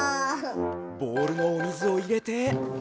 ボールのおみずをいれて。